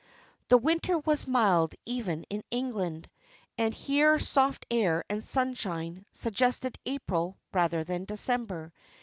The winter was mild even in England, and here soft air and sunshine suggested April rather than December.